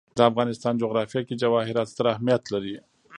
د افغانستان جغرافیه کې جواهرات ستر اهمیت لري.